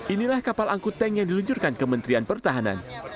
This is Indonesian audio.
inilah kapal angkut tank yang diluncurkan kementerian pertahanan